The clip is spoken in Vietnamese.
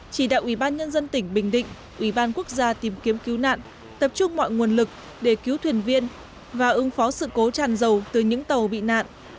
chỉ đạo ủy ban nhân dân tỉnh bình định ủy ban quốc gia tìm kiếm cứu nạn tập trung mọi nguồn lực để cứu thuyền viên và ứng phó sự cố tràn dầu từ những tàu bị nạn